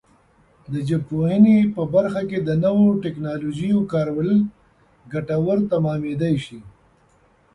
د ژبپوهنې په برخه کې د نویو ټکنالوژیو کارول ګټور تمامېدای شي.